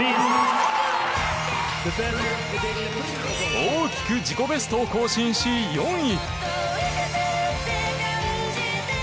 大きく自己ベストを更新し４位。